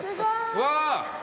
うわ！